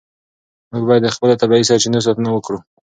موږ باید د خپلو طبیعي سرچینو ساتنه وکړو.